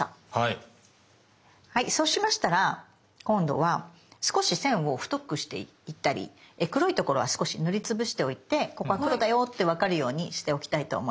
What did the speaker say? そうしましたら今度は少し線を太くしていったり黒いところは少し塗りつぶしておいてここは黒だよって分かるようにしておきたいと思います。